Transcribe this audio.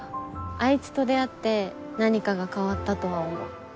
あいつと出会って何かが変わったとは思う。